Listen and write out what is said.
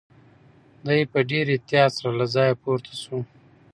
دی په ډېر احتیاط سره له ځایه پورته شو.